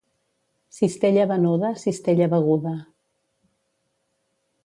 Cistella venuda, cistella beguda.